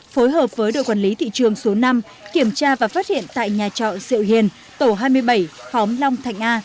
phối hợp với đội quản lý thị trường số năm kiểm tra và phát hiện tại nhà trọ diệu hiền tổ hai mươi bảy khóm long thạnh a